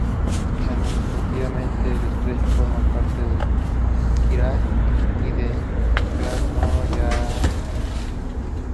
Administrativamente, el estrecho forma parte del Krai de Krasnoyarsk.